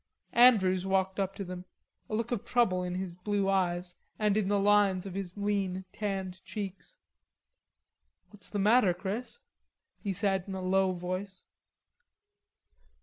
Andrews walked up to them, a look of trouble in his blue eyes and in the lines of his lean tanned cheeks. "What's the matter, Chris?" he asked in a low voice.